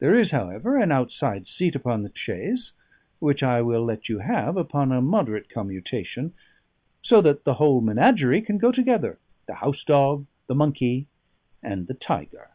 There is, however, an outside seat upon the chaise which I will let you have upon a moderate commutation; so that the whole menagerie can go together the house dog, the monkey, and the tiger."